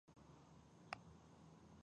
ایا ستاسو قضاوت عادلانه دی؟